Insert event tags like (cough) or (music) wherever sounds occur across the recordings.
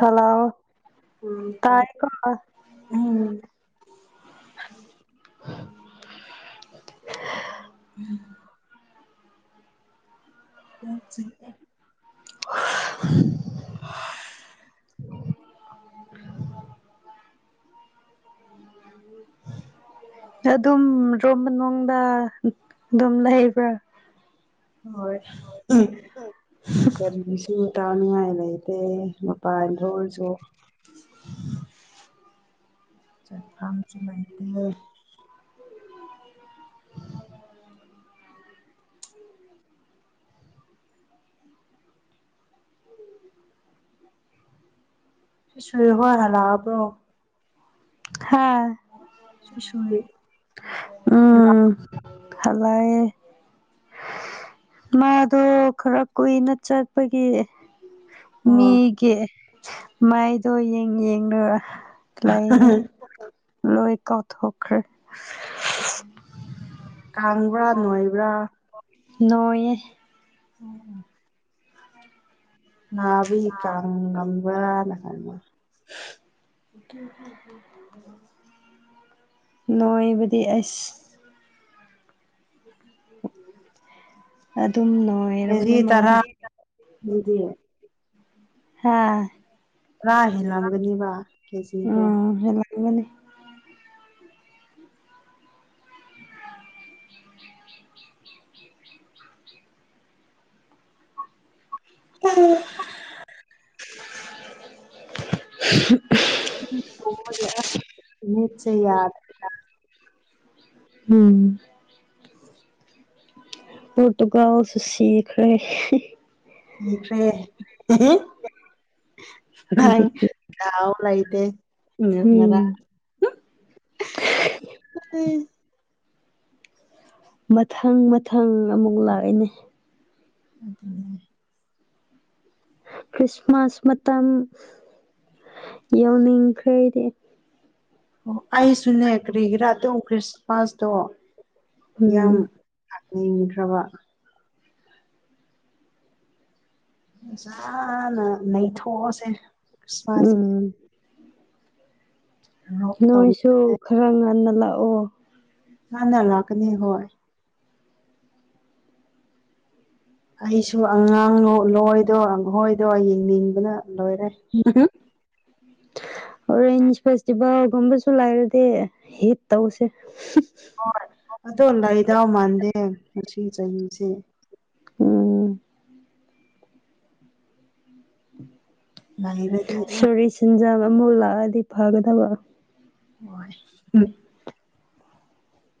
Hello ꯑ ꯎꯝ (unintelligible) (unintelligible) (unintelligible) (unintelligible) (unintelligible) ꯑꯗꯨꯝ ꯔꯣꯝꯕ ꯅꯨꯡꯗ ꯑꯗꯨꯝ ꯂꯩꯕ꯭ꯔꯥ ꯍꯣꯏ ꯀꯃꯤꯁꯨ ꯇꯥꯎꯅꯤꯉꯥꯏ ꯂꯩꯇꯦ ꯃꯄꯥꯟꯗꯑꯣꯏꯁꯨ (unintelligible) ꯆꯠꯐꯥꯝ ꯆꯂꯍꯤꯇꯦ ꯁꯨꯦ ꯍ ꯍꯥꯏꯂꯕ꯭ꯔꯣ ꯍꯥꯥ ꯁꯁꯦ ꯎꯝꯂꯥꯏꯦ ꯃꯥꯗꯣ ꯈꯔ ꯀꯨꯏꯅ ꯆꯠꯄꯒꯤ ꯑꯣ ꯃꯤꯒꯤ ꯃꯥꯏꯗꯣ ꯌꯦꯡ ꯌꯦꯡꯨꯔꯒ ꯂꯩꯥꯏꯅꯦ ꯂꯣꯏ ꯀꯊ ꯍꯈ꯭ꯔꯦ (inaudible) ꯀꯥꯡꯕ꯭ꯔꯥ ꯅꯣꯏꯕ꯭ꯔꯥ ꯅꯣꯡꯣꯏ ꯑꯣꯝ ꯍꯝ ꯅꯥꯕꯤ ꯀꯥꯡ ꯉꯝꯕ꯭ꯔꯥ ꯅ ꯍꯥꯏꯜꯃ (unintelligible) ꯅꯣꯏꯕꯗꯤ ꯑꯁ ꯑꯗꯨꯝ ꯀꯦꯖꯤ ꯅꯨꯉꯥꯏꯔꯕꯅꯦ ꯇꯔꯥ ꯃꯥꯗꯤ ꯑꯗꯨꯗꯤ ꯍꯥꯥ ꯄꯨꯔꯥ ꯍꯦꯜꯂꯝꯒꯅꯤꯕ ꯀꯦꯖꯤꯗꯣ ꯉꯨꯅꯤ (unintelligible) (unintelligible) (unintelligible) ꯃꯤꯠꯁꯦ ꯌꯥꯗꯔꯦ ꯎꯝ ꯄꯣꯔꯇꯨꯒꯜꯁꯨ ꯁꯤꯈꯔꯦ ꯁꯤꯈ꯭ꯔꯦ (unintelligible) ꯂꯩꯇꯦ ꯉꯔꯥꯡ ꯎꯝ ꯃꯊꯪ ꯃꯊꯪ ꯑꯃꯨꯛ ꯂꯥꯛꯏꯅꯦ ꯑꯗꯨꯅꯦ ꯈ꯭ꯔꯤꯁꯃꯥꯁ ꯃꯇꯝ ꯌꯧꯅꯤꯡꯈ꯭ꯔꯦꯗꯤ ꯑꯣ ꯑꯩꯁꯨꯅꯦ ꯀꯔꯤꯒꯤꯔꯥ ꯑꯗꯨꯝ ꯈ꯭ꯔꯤꯁꯃꯥꯁꯇꯣ ꯎꯝ ꯃꯤꯈ꯭ꯔꯕ ꯐꯖꯥꯅ ꯅꯩꯊꯣꯛꯑꯥꯁꯦ ꯎꯝ ꯇꯧ ꯅꯣꯏꯁꯨ ꯈꯔ ꯉꯟꯅ ꯂꯥꯛꯑꯣ ꯉꯅꯥ ꯂꯛꯀꯥꯅꯤ ꯍꯣꯏ ꯑꯩꯁꯨ ꯑꯉꯥꯡ ꯂꯣꯏꯗꯣ ꯈꯣꯏꯗꯣ ꯌꯦꯡꯅꯤꯡꯕꯅ ꯂꯣꯏꯔꯦ (unintelligible) ꯑꯣꯔꯦꯟꯖ ꯐꯦꯁꯇꯤꯚꯦꯜꯒꯨꯝꯕꯁꯨ ꯂꯩꯥꯏꯔꯗꯤ ꯍꯤꯠ ꯇꯧꯁꯦ ꯍꯣꯏ ꯑꯗꯣ ꯂꯥꯏꯗꯥꯎ ꯃꯥꯟꯗꯦ ꯉꯁꯤ ꯆꯍꯤꯁꯦ ꯎꯝ ꯂꯩꯔꯗꯤ ꯑ ꯁꯣꯔꯤ ꯁꯦꯟꯖꯥꯝ ꯑꯃꯨꯛ ꯂꯥꯛꯑꯗꯤ ꯐꯒꯗꯕ (unintelligible)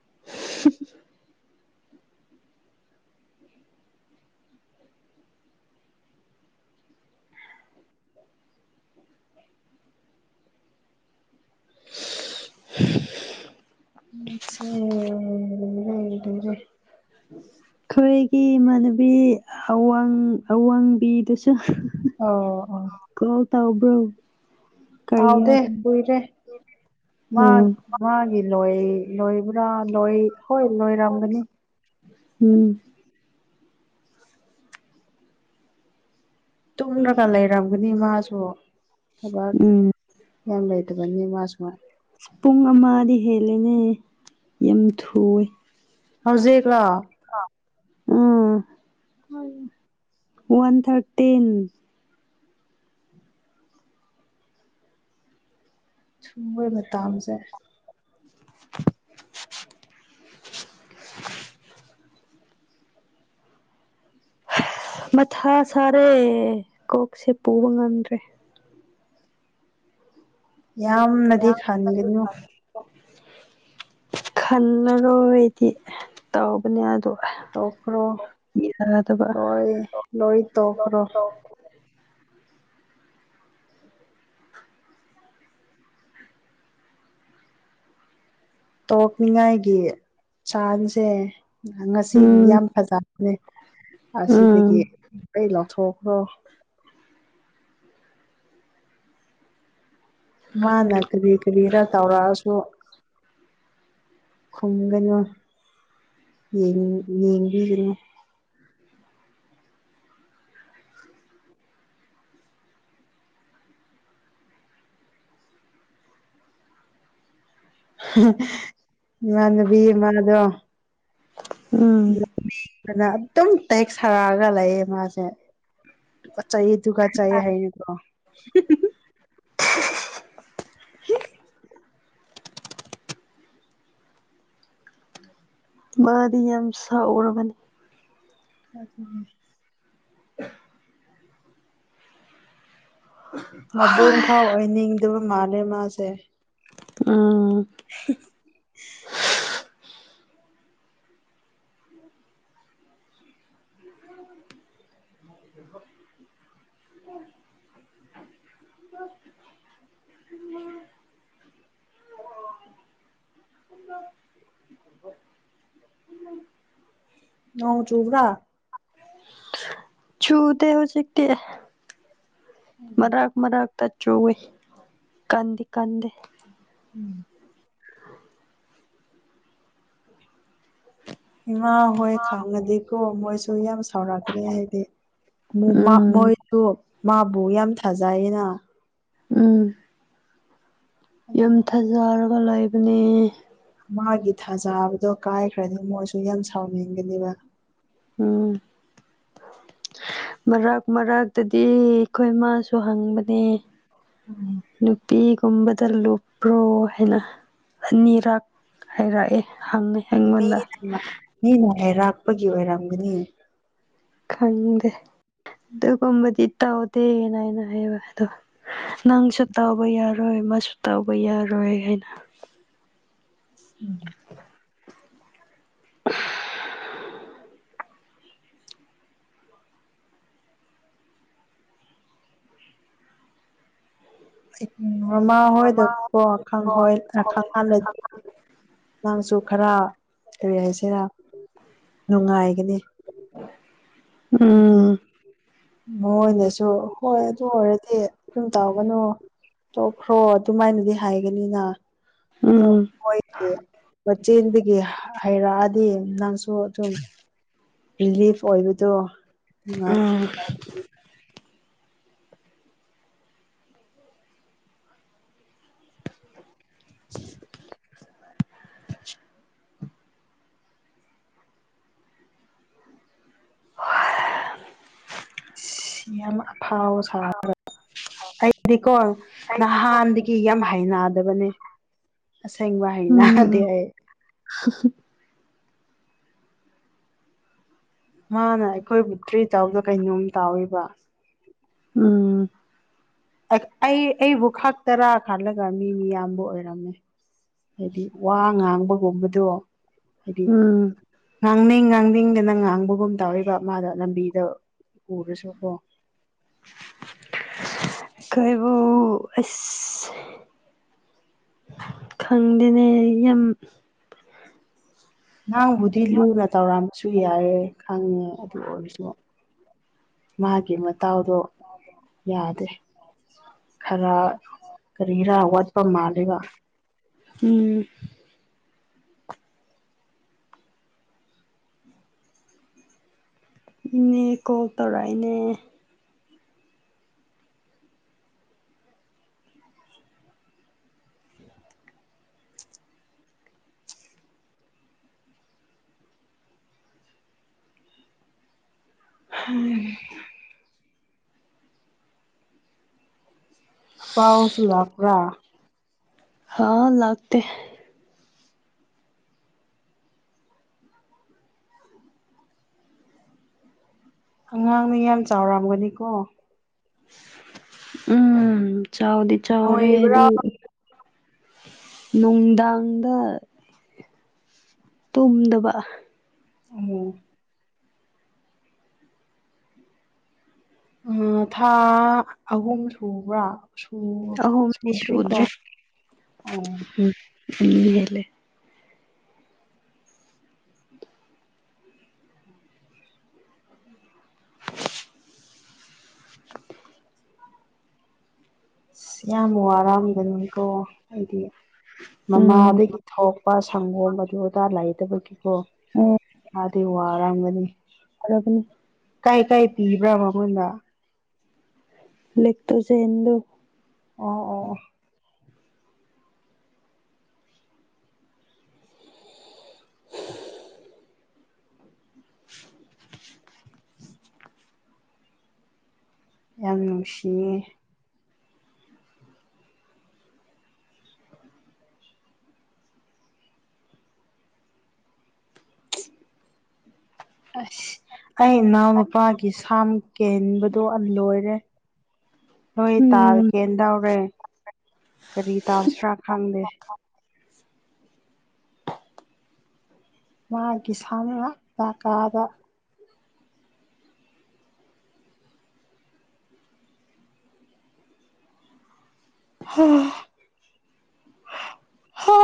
(inaudible) (unintelligible) (unintelligible) ꯑꯩꯈꯣꯏꯒꯤ ꯏꯃꯥꯟꯅꯕꯤ ꯑꯋꯥꯡ ꯑꯋꯥꯡꯕꯤꯗꯨꯁꯨ ꯑꯣ ꯑꯣ ꯀꯣꯜ ꯇꯧꯕ꯭ꯔꯣ ꯍꯥꯎꯗꯦ ꯀꯔꯤꯌꯥꯗ ꯀꯨꯏꯔꯦ ꯃꯥ ꯑꯣ ꯃꯥꯒꯤ ꯂꯣꯏ ꯂꯣꯏꯕ꯭ꯔꯥ ꯂꯣꯏ ꯍꯣꯏ ꯂꯣꯏꯔꯝꯒꯅꯤ ꯎꯝ ꯇꯨꯝꯂꯒ ꯂꯩꯔꯝꯒꯅꯤ ꯃꯥꯁꯨ ꯊꯕꯛ ꯎꯝ ꯌꯥꯝ ꯂꯩꯇꯕꯅꯤ ꯃꯥꯁꯨ ꯄꯨꯡ ꯑꯃꯗꯤ ꯍꯦꯜꯂꯦꯅꯦ ꯌꯥꯝ ꯊꯨꯏꯌꯦ ꯍꯧꯖꯤꯛꯂꯣ ꯎꯝ (unintelligible) ꯋꯥꯟ ꯊꯥꯔꯇꯤꯟ ꯁꯨꯝ ꯃꯣꯏ ꯃꯇꯥꯝꯁꯦ ꯃꯊꯥ ꯁꯥꯔꯦ ꯀꯣꯛꯁꯦ ꯄꯨꯕ ꯉꯝꯗ꯭ꯔꯦ ꯌꯥꯝꯅꯗꯤ ꯈꯥꯡꯒꯅꯨ ꯈꯜꯂꯔꯣꯏꯗꯤ ꯇꯧꯕꯅꯦ ꯑꯗꯣ ꯇꯧꯀ꯭ꯔꯣ ꯌꯥꯗꯕ ꯂꯣꯏ ꯂꯣꯏ ꯇꯣꯈ꯭ꯔꯣ ꯇꯧꯅꯤꯉꯥꯏꯒꯤ ꯆꯥꯡꯁꯦ ꯉꯁꯤꯗꯤ ꯎꯝ ꯌꯥꯝ ꯐꯖꯕꯅꯦ ꯑꯁꯤꯗꯒꯤ ꯎꯝ ꯀꯩ ꯂꯧꯊꯣꯛ ꯍꯣ ꯃꯥꯅ ꯀꯔꯤ ꯀꯔꯤꯔ ꯇꯧꯔꯛꯑꯁꯨ ꯈꯨꯝꯒꯅꯨ ꯌꯦꯡ ꯌꯦꯡꯕꯤꯒꯅꯨ ꯏꯃꯥꯟꯅꯕꯤ ꯑꯝꯃꯥꯗꯣ ꯎꯝ (unintelligible) ꯑꯗꯨꯝ ꯇꯦꯛꯁ ꯊꯥꯔꯛꯑꯒ ꯂꯩꯌꯦ ꯃꯥꯁꯦ ꯆꯩꯗꯨꯒ ꯆꯩ ꯍꯩꯕ꯭ꯔꯣ (unintelligible) ꯃꯥꯗꯤ ꯌꯥꯝ ꯁꯥꯎꯔꯕꯅꯤ ꯑꯗꯨ ꯑꯗꯨ (unintelligible) ꯃꯕꯨꯡ ꯐꯥꯎ ꯑꯣꯏꯅꯤꯡꯗꯕ ꯃꯥꯜꯂꯂ ꯃꯥꯁꯦ ꯑꯝ (unintelligible) (inaudible) (unintelligible) (unintelligible) ꯅꯣꯡ ꯆꯨꯕ꯭ꯔꯥ ꯆꯨꯗꯦ ꯍꯨꯖꯤꯛꯇꯤ ꯃꯔꯥꯛ ꯃꯔꯥꯛ (unintelligible) ꯀꯗ ꯀꯟꯗꯦ ꯏꯃꯥ ꯍꯣꯏ ꯈꯪꯉꯗꯤꯀꯣ ꯃꯣꯏꯁꯨ ꯌꯥꯝ ꯁꯥꯎꯔꯛꯀꯅꯤ ꯍꯥꯏꯗꯤ ꯎꯝ ꯃꯣꯏꯁꯨ ꯃꯥꯕꯨ ꯌꯥꯝ ꯊꯥꯖꯩꯅ ꯎꯝ ꯌꯥꯝ ꯑꯗꯣ ꯊꯖꯔꯒ ꯂꯩꯕꯅꯦ ꯃꯥꯒꯤ ꯊꯥꯖꯥꯕꯗꯣ ꯀꯥꯏꯈ꯭ꯔꯅꯤ ꯃꯣꯏꯁꯨ ꯌꯥꯝ ꯁꯥꯎꯅꯤꯡꯒꯅꯦꯕ ꯎꯝ ꯃꯔꯛ ꯃꯔꯥꯛꯛꯇꯗꯤ ꯑꯩꯈꯣꯏ ꯃꯥꯁꯨ ꯍꯪꯕꯅꯦ ꯅꯨꯄꯤ ꯒꯨꯝꯕ ꯇ ꯂꯨꯞꯄ꯭ꯔꯣ ꯍꯥꯏꯅ ꯑꯅꯤꯔꯛ ꯍꯥꯏꯔꯛꯑꯦ ꯍꯪꯉꯦ ꯑꯩꯉꯣꯟꯗ ꯃꯤꯅ ꯃꯤꯅ ꯍꯩꯔꯥꯛꯄꯒꯤ ꯑꯣꯏꯔꯝꯒꯅꯤ ꯈꯪꯗꯦ ꯑꯗꯨꯒꯨꯝꯕꯗꯤ ꯇꯧꯗꯦꯅ ꯑꯩꯅ ꯍꯥꯏꯅ ꯍꯥꯏꯕ ꯑꯗꯣ ꯅꯪꯁꯨ ꯇꯧꯕ ꯌꯥꯔꯣꯏ ꯑꯃꯁꯨ ꯇꯧꯕ ꯌꯥꯔꯣꯏ ꯍꯥꯏꯅ (unintelligible) ꯃꯃꯥ ꯍꯣꯏꯗꯀꯣ ꯑꯈꯪ ꯍꯣꯏꯈꯪ (unintelligible) ꯈꯔ ꯀꯔꯤ ꯍꯥꯏꯁꯤꯔ ꯅꯨꯡꯉꯥꯏꯒꯅꯤ ꯍꯥꯏꯗꯤ ꯎꯝ ꯃꯣꯏꯅꯁꯨ ꯍꯣꯏ ꯑꯗꯨ ꯑꯣꯏꯔꯗꯤ ꯑꯗꯨꯨꯝ ꯇꯧꯒꯅꯨ ꯈ꯭ꯔꯣ ꯑꯗꯨꯃꯥꯏꯅꯗꯤ ꯍꯥꯏꯒꯅꯤꯅꯥ ꯑꯗꯣ ꯎꯝ ꯈꯣꯏꯒꯤ ꯆꯦꯟꯕꯒꯤ ꯍꯩꯔꯛꯑꯗꯤ ꯅꯪ ꯁꯨ ꯑꯗꯨꯝ ꯔꯤꯂꯤꯐ ꯑꯣꯏꯕꯗꯣ ꯅꯨꯡꯉꯥꯏ (unintelligible) (unintelligible) ꯑ ꯌꯥꯝ ꯑꯐꯥꯎ ꯁꯥꯈ꯭ꯔ ꯑꯩꯗꯤꯀꯣ ꯅꯍꯥꯟꯗꯒꯤ ꯌꯥꯝ ꯍꯩꯅꯗꯕꯅꯦ ꯑꯁꯦꯏꯕ ꯍꯩꯅꯥꯗꯦ ꯎꯝ ꯎꯝ ꯑꯩ (unintelligible) ꯃꯥꯅ ꯑꯩꯈꯣꯏꯕꯨ ꯇ꯭ꯔꯤꯠ ꯇꯧꯕꯗꯨ ꯀꯩꯅꯣꯝ ꯇꯧꯋꯦꯕ ꯎꯝ ꯑꯩ ꯑꯩꯕꯨ ꯈꯛ ꯇꯔꯥ ꯈꯜꯂꯒ ꯃꯤ ꯃꯤ ꯌꯥꯝꯕ ꯑꯣꯏꯔꯝꯃꯦ ꯍꯥꯏꯗꯤ ꯋꯥ ꯉꯥꯡꯕꯒꯨꯝꯕꯗꯣ ꯍꯥꯏꯗꯤ ꯎꯝ ꯉꯥꯡꯅꯤꯡ ꯉꯥꯡꯅꯤꯡꯗꯅ ꯉꯥꯡꯕꯒꯨꯝ ꯇꯧꯋꯦꯕ ꯃꯥꯗ ꯂꯝꯕꯤꯗ ꯎꯔꯁꯨꯀꯣ ꯀꯣꯏꯕꯨ ꯑꯁ ꯈꯪꯗꯦꯅꯦ ꯌꯥꯝ ꯅꯪꯕꯨꯗꯤ ꯎꯝ ꯂꯨꯅ ꯇꯧꯔꯝꯕꯁꯨ ꯌꯥꯏꯑꯦ ꯈꯪꯉꯦ ꯑꯗꯨ ꯑꯣꯏꯔꯁꯨ ꯃꯥꯒꯤ ꯃꯇꯥꯎꯗꯣ ꯌꯥꯗꯦ ꯈꯔ ꯀꯔꯤꯔꯥ ꯋꯥꯠꯄ ꯃꯥꯂꯦꯕ ꯏꯅꯦ ꯀꯣꯜ ꯇꯧꯔꯛꯏꯅꯦ ꯍꯝ ꯑꯄꯥꯥꯎ ꯁꯨ ꯂꯥꯛꯄ꯭ꯔꯥ ꯍꯥꯥ ꯂꯥꯛꯇꯦ ꯑꯉꯥꯡꯅ ꯌꯥꯝ ꯆꯥꯎꯔꯝꯒꯅꯤꯀꯣ ꯎꯝ ꯆꯥꯎꯗꯤ ꯆꯥꯎꯔꯦ ꯑꯗꯨ ꯅꯣꯏꯕ꯭ꯔꯥ ꯅꯨꯡꯗꯥꯡꯗ ꯇꯨꯝꯗꯕ ꯎꯝ ꯑ ꯊꯥ ꯑꯍꯨꯝ ꯁꯨꯕ꯭ꯔꯥ ꯁꯨ ꯑꯍꯨꯝꯗꯤ ꯁꯨꯗ꯭ꯔꯤꯀꯣ ꯁꯨꯗ꯭ꯔꯦ (unintelligible) (inaudible) ꯑꯁ ꯌꯥꯝ ꯋꯥꯔꯝꯕꯅꯤꯀꯣ ꯑꯩꯗꯤ ꯎꯝ ꯃꯃꯥꯗꯒꯤ ꯊꯣꯛꯄ ꯁꯪꯒꯣꯝ ꯑꯗꯨ ꯑꯗꯥ ꯂꯩꯇꯕꯒꯤꯀꯣ ꯑꯣ ꯑꯗꯤ ꯋꯔꯝꯒꯅꯤ ꯐꯔꯕꯅꯦ ꯀꯥꯏ ꯀꯥꯏ ꯄꯤꯕ꯭ꯔꯥ ꯃꯉꯣꯟꯗꯥ ꯂꯛꯇꯣꯖꯦꯟ ꯗꯣ ꯑꯣ ꯑꯣ ꯑꯣ꯫ ꯌꯥꯝ ꯅꯨꯡꯁꯤꯌꯦ ꯑꯁ ꯑꯩ ꯏꯅꯥꯎ ꯅꯨꯄꯥꯒꯤ ꯁꯥꯝ ꯀꯦꯟꯕꯗꯣ ꯂꯣꯏꯔꯦ ꯅꯣꯏ ꯎꯝ ꯇꯥꯀꯦꯟ ꯇꯧꯔꯦ ꯀꯔꯤ ꯇꯧꯁꯤꯔꯥ ꯈꯪꯗꯦ ꯃꯥꯒꯤ ꯁꯝ ꯉꯥꯛꯇꯥ ꯀꯥꯗ ꯍ ꯍ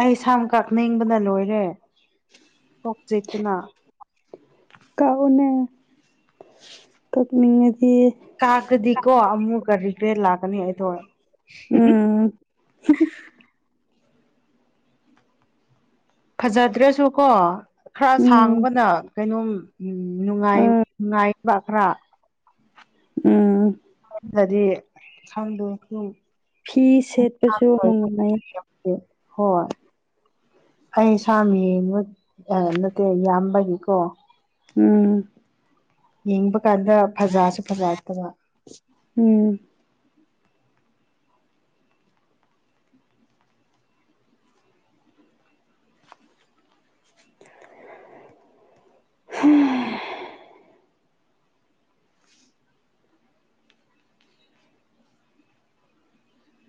ꯑꯩ ꯁꯥꯝ ꯀꯛꯅꯤꯡꯕꯅ ꯂꯣꯏꯔꯦ ꯀꯣꯛ ꯆꯤꯛꯄꯅꯥ ꯀꯥꯎꯅ ꯀꯛꯅꯤꯡꯉꯗꯤ ꯀꯣ ꯑꯃꯨꯛꯀ ꯔꯤꯒ꯭ꯔꯦꯠ ꯂꯥꯛꯀꯅꯤ ꯑꯩꯗꯣ ꯎꯝ ꯐꯖꯗ꯭ꯔꯁꯨ ꯀꯣ ꯈꯔ ꯎꯝ ꯁꯥꯡꯕꯅ ꯀꯩꯅꯣꯝ ꯅꯨꯡꯉꯥꯏ ꯑꯥ ꯉꯥꯏ ꯄꯈ꯭ꯔꯥ ꯎꯝ ꯑꯩꯅꯗꯤ ꯋꯝꯗꯨ ꯐꯤ ꯁꯦꯠꯄꯁꯨ ꯅꯨꯡꯉꯥꯏ ꯍꯣꯏ ꯑꯩ ꯏꯁꯥꯃꯤ ꯅꯠꯇꯦ ꯌꯥꯝꯕꯒꯤꯀꯣ ꯎꯝ ꯌꯦꯡꯕ ꯀꯥꯟꯗ ꯐꯖꯥꯁꯨ ꯐꯖꯥꯠꯇꯕ ꯎꯝ ꯍꯝ